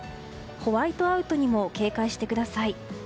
ホワイトアウトにも警戒してください。